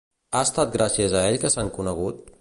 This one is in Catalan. Ha estat gràcies a ell que s'han conegut?